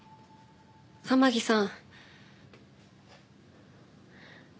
天樹さん。